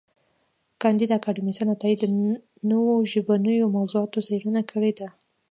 کانديد اکاډميسن عطايي د نوو ژبنیو موضوعاتو څېړنه کړې ده.